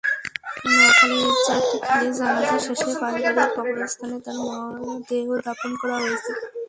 নোয়াখালীর চাটখিলে জানাজা শেষে পারিবারিক কবরস্থানে তাঁর মরদেহ দাফন করা হয়েছে।